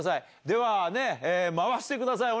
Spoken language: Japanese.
では回してください